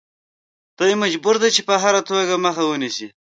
دی مجبور دی چې په هره توګه مخه یې ونیسي.